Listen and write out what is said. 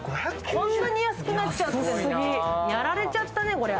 こんなに安くなっちゃって、やられちゃったな、こりゃ。